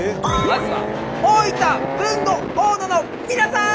まずは大分豊後大野の皆さん！